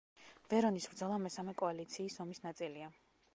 ვერონის ბრძოლა მესამე კოალიციის ომის ნაწილია.